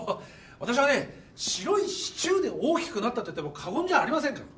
私はね白いシチューで大きくなったといっても過言じゃありませんから。